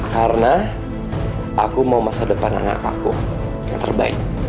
karena aku mau masa depan anak aku yang terbaik